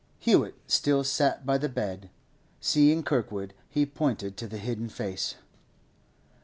Hewett still sat by the bed; seeing Kirkwood, he pointed to the hidden face.